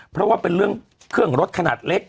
เพราะว่าเป็นเรื่องเครื่องรถขนาดเล็ก